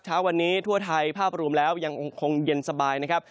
เช้าวันนี้ทั่วไทยภาพรวมแล้วยังคงเย็นสบายนะครับ